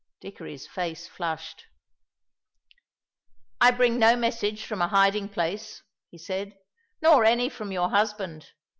Dickory's face flushed. "I bring no message from a hiding place," he said, "nor any from your husband.